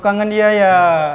lo kangen dia ya